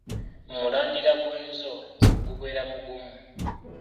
Mu mulandira gw’enzo gubeera mugumu.